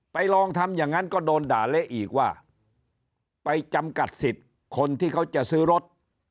ลองทำอย่างนั้นก็โดนด่าเละอีกว่าไปจำกัดสิทธิ์คนที่เขาจะซื้อรถ